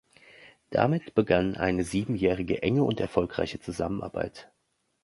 Damit begann eine siebenjährige enge und erfolgreiche Zusammenarbeit.